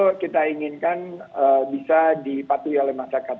betul betul kita inginkan bisa dipatuhi oleh masyarakat